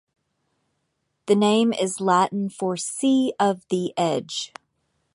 The name is Latin for "Sea of the Edge".